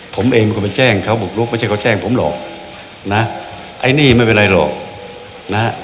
ผมเองเป็นคนไปแจ้งเขาบุกลุกไม่ใช่เขาแจ้งผมหรอกนะไอ้นี่ไม่เป็นไรหรอกนะฮะ